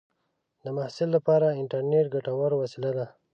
د محصل لپاره انټرنېټ ګټوره وسیله ده.